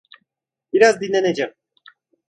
Biraz dinleneceğim.